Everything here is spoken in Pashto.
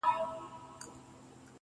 o خير دی ، دى كه اوسيدونكى ستا د ښار دى.